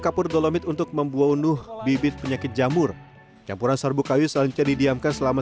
kapur dolomid untuk membunuh bibit penyakit jamur campuran serbu kayu selanjutnya didiamkan selama